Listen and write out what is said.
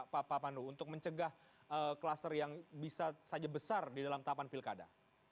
pak pandu untuk mencegah kluster yang bisa saja besar di dalam tahapan pilkada